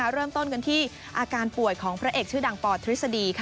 เริ่มต้นกันที่อาการป่วยของพระเอกชื่อดังปทฤษฎี